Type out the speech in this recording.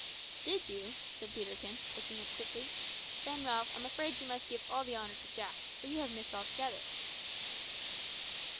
"Did you?" said Peterkin, looking up quickly; "then, Ralph, I'm afraid you must give all the honour to Jack, for you have missed altogether."